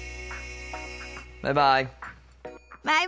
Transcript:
バイバイ。